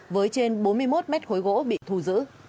với trên bốn mươi một mét khối gỗ bị thu giữ